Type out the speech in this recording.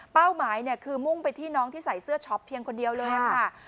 หมายคือมุ่งไปที่น้องที่ใส่เสื้อช็อปเพียงคนเดียวเลยค่ะ